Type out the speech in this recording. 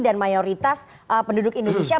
dan mayoritas penduduk indonesia